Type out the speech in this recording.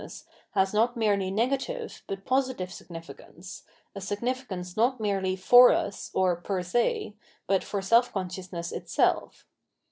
* 800 801 Absolute Knowledge has not merely negative, but positive significance, a significance not merely for us or fer se, but for self consciousness itself.